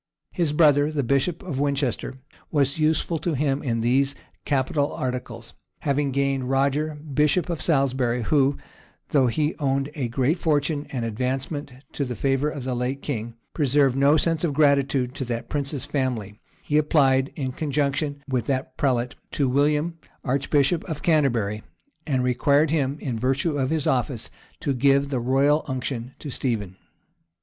His brother, the bishop of Winchester, was useful to him in these capital articles; having gained Roger, bishop of Salisbury, who, though he owed a great fortune and advancement to the favor of the late king, preserved no sense of gratitude to that prince's family, he applied, in conjunction with that prelate, to William, archbishop of Canterbury, and required him, in virtue of his office, to give the royal unction to Stephen.